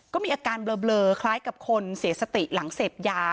ก็มีอาการเบลอคล้ายกับคนเสียสติหลังเสพยา